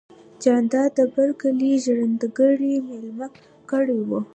جانداد د بر کلي ژرندګړی ميلمه کړی و.